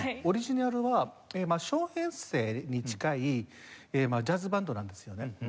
オリジナルは小編成に近いジャズバンドなんですよね。